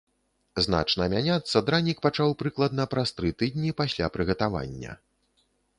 Значна мяняцца дранік пачаў прыкладна праз тры тыдні пасля прыгатавання.